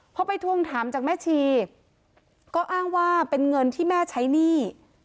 พอไปทวงถามจากแม่ชีก็อ้างว่าเป็นเงินที่แม่ใช้หนี้